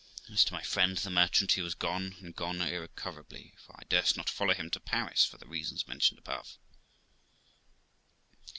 As to my friend, the merchant, he was gone, and gone irrecoverably, for I durst not follow him to Paris, for the reasons mentioned above.